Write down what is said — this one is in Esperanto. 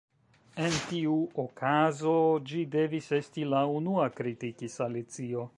"En tiu okazo, ĝi devis esti la unua," kritikis Alicio.